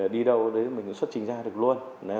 đi đâu mình cũng xuất trình ra được luôn